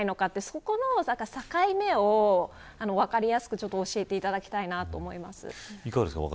そこの境目を分かりやすく教えていただきたいと思います。